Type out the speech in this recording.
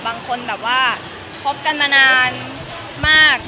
บางคนแบบว่าคบกันมานานมาก